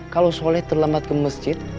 kalau sholat terlambat ke masjid